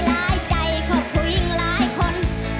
สิไปทางได้กล้าไปน้องบ่ได้สนของพ่อสำนี